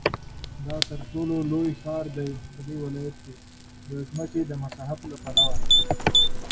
It is the largest municipality in the province in terms of land area.